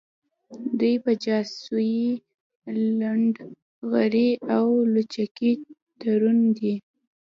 دوی په جاسوۍ ، لنډغري او لوچکۍ تورن دي